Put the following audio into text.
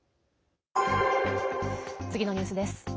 次のニュースです。